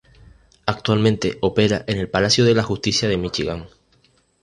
Actualmente opera en el Palacio de la Justicia de Míchigan.